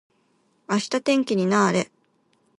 明日天気にな～れ。